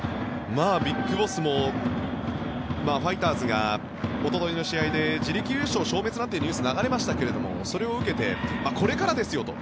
ＢＩＧＢＯＳＳもファイターズがおとといの試合で自力優勝消滅なんていうニュースが流れましたけれどもそれを受けてこれからですよと。